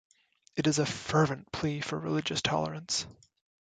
It is a fervent plea for religious tolerance.